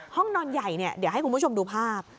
ห้องนอนใหญ่เดี๋ยวให้คุณผู้ชมดูภาพ